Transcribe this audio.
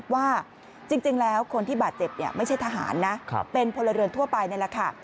ว่าจริงแล้วคนที่บาดเจ็บไม่ใช่ทหารนะเป็นพลเรือนทั่วไปนี่แหละค่ะ